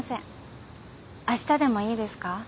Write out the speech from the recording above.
あしたでもいいですか？